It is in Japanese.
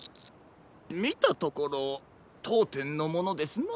みたところとうてんのものですな。